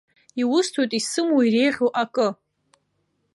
Иусҭоит исымоу иреиӷьу акы.